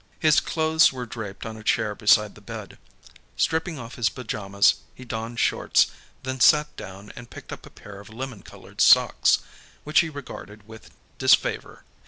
His clothes were draped on a chair beside the bed. Stripping off his pajamas, he donned shorts, then sat down and picked up a pair of lemon colored socks, which he regarded with disfavor.